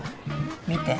見て。